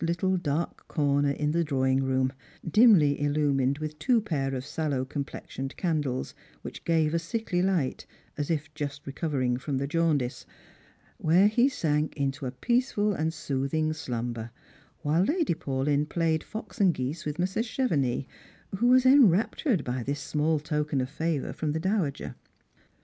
113 little dark corner in the drawing room — dimly illumined with two pair of sallow comjilesioned candles, which gave a sickly light, as if just recovered from the jaundice — where he sank into a peaceful and soothing slumber, while Lady Paulyn played fox and geese with Mrs. Chevenix, who was enraptured by this small token of favour from the dowager.